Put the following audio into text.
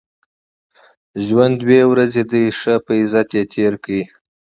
ژوند دوې ورځي دئ؛ ښه په عزت ئې تېر کئ!